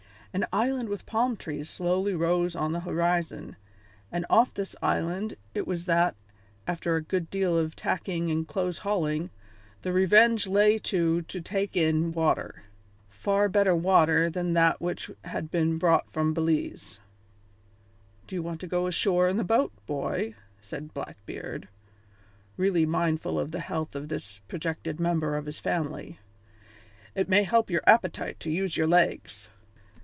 An island with palm trees slowly rose on the horizon, and off this island it was that, after a good deal of tacking and close hauling, the Revenge lay to to take in water. Far better water than that which had been brought from Belize. "Do you want to go ashore in the boat, boy?" said Blackbeard, really mindful of the health of this projected member of his family. "It may help your appetite to use your legs."